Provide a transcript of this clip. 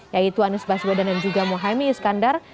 yaitu anies baswedan dan juga mohaimin iskandar